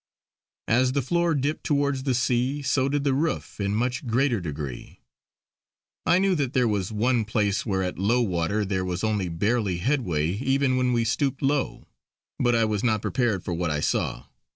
As the floor dipped towards the sea so did the roof in much greater degree. I knew that there was one place where at low water there was only barely headway even when we stooped low; but I was not prepared for what I saw.